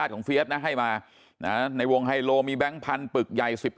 ของเฟียสนะให้มาในวงไฮโลมีแบงค์พันธุ์ปึกใหญ่๑๑